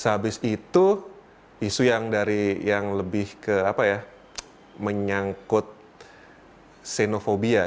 habis itu isu yang lebih ke apa ya menyangkut senofobia